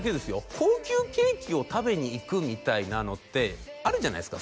高級ケーキを食べに行くみたいなのってあるじゃないですか